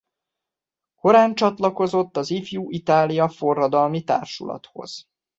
Korán csatlakozott az Ifjú Itália forradalmi társulathoz.